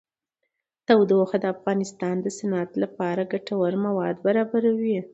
تودوخه د افغانستان د صنعت لپاره ګټور مواد برابروي.